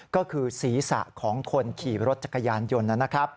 ก็คือศีรษะของคนขี่รถจักรยานยนต์นะครับ